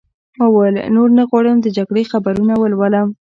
ما وویل: نور نه غواړم د جګړې خبرونه ولولم.